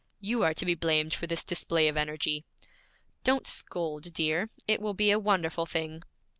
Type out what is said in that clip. You are to be blamed for this display of energy.' 'Don't scold, dear. It will be a wonderful thing!'